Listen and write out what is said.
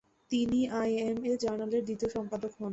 তিনি আই.এম.এ জার্নালেরও দ্বিতীয় সম্পাদক হন।